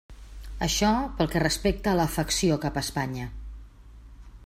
Això pel que respecta a l'afecció cap a Espanya.